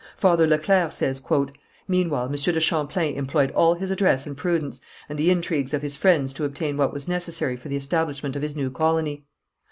Father Le Clercq says: "Meanwhile Monsieur de Champlain employed all his address and prudence, and the intrigues of his friends to obtain what was necessary for the establishment of his new colony.